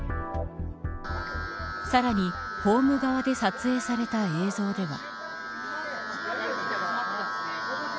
さらにホーム側で撮影された映像では。